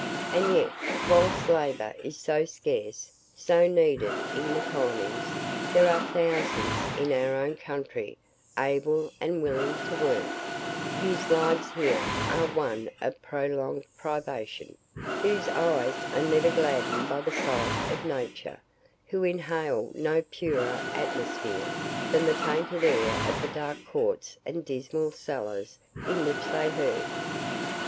And yet, whilst labour is so scarce, so needed in the colonies, there are thousands in our own country ABLE AND WILLING TO WORK, whose lives here are one of prolonged privation, whose eyes are never gladdened by the sight of nature, who inhale no purer atmosphere than the tainted air of the dark courts and dismal cellars in which they herd.